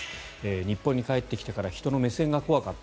日本に帰ってきてから人の目線が怖かった。